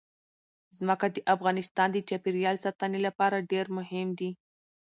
ځمکه د افغانستان د چاپیریال ساتنې لپاره ډېر مهم دي.